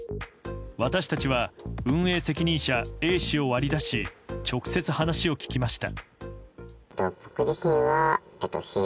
私たちは運営責任者Ａ氏を割り出し直接話を聞きました。